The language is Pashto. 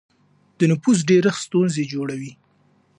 د نفوس ډېرښت ستونزې جوړوي.